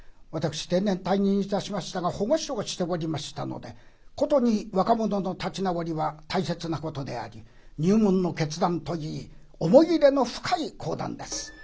私定年退任いたしましたが保護司をしておりましたので殊に若者の立ち直りは大切なことであり入門の決断といい思い入れの深い講談です。